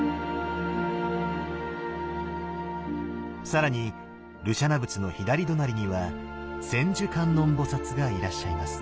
更に盧舎那仏の左隣には千手観音菩がいらっしゃいます。